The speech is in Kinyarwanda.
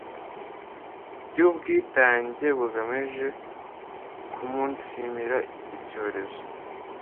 by’ubwitange bugamije guumunsimira icyorezo